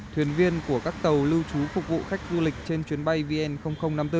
thuyền viên của các tàu lưu trú phục vụ khách du lịch trên chuyến bay vn năm mươi bốn